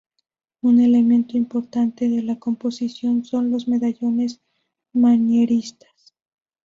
Un elemento importante de la composición son los medallones manieristas.